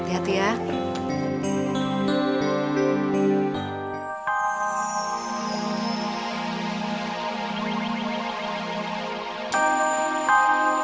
ya udah hati hati ya